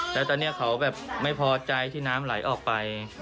แล้วตอนนี้เขาแบบไม่พอใจที่น้ำไหลออกไป